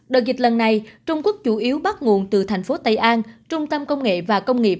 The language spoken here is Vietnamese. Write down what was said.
đợt dịch lần này trung quốc chủ yếu bắt nguồn từ thành phố tây an trung tâm công nghệ và công nghiệp